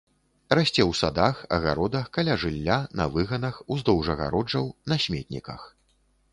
Расце ў садах, агародах, каля жылля, на выганах, уздоўж агароджаў, на сметніках.